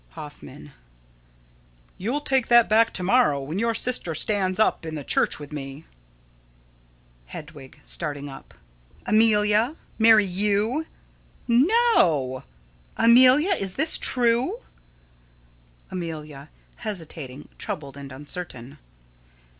Hoffman: You'll take that back to morrow, when your sister stands up in the church with me. Hedwig: [Starting up.] Amelia? Marry you? No! Amelia, is this true? Amelia: [_Hesitating, troubled, and uncertain.